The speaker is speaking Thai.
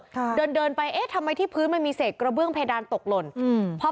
ค่ะเดินเดินไปเอ๊ะทำไมที่พื้นมันมีเศษกระเบื้องเพดานตกหล่นอืม